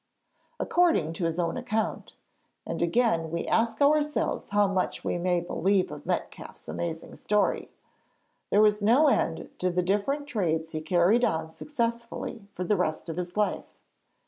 According to his own account and again we ask ourselves how much we may believe of Metcalfe's amazing story there was no end to the different trades he carried on successfully for the rest of his life.